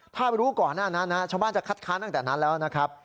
ถ้ารู้ก่อนหน้านั้นนะชาวบ้านจะคัดค้านตั้งแต่นั้นแล้วนะครับ